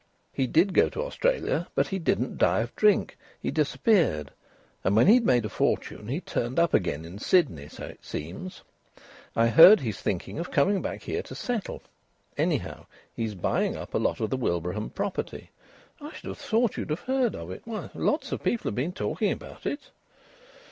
"He did go to Australia, but he didn't die of drink. He disappeared, and when he'd made a fortune he turned up again in Sydney, so it seems. I heard he's thinking of coming back here to settle. Anyhow, he's buying up a lot of the Wilbraham property. I should have thought you'd have heard of it. Why, lots of people have been talking about it."